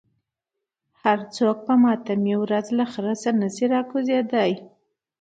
هر څوک چې په ماتمي ورځ له خره نشي راکوزېدای.